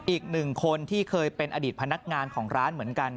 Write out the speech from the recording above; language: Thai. อีกหนึ่งคนที่เคยเป็นอดีตพนักงานของร้านเหมือนกัน